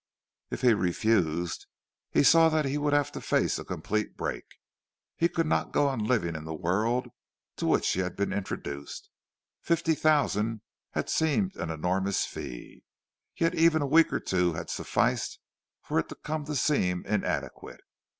If he refused, he saw that he would have to face a complete break; he could not go on living in the world to which he had been introduced. Fifty thousand had seemed an enormous fee, yet even a week or two had sufficed for it to come to seem inadequate.